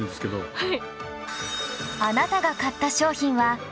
はい。